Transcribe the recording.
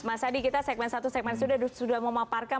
mas adi kita segmen satu segmen sudah memaparkan